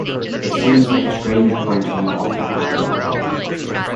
It seems like a strange pointing of the hand of God.